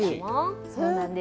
そうなんです。